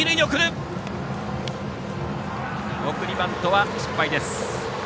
送りバントは失敗です。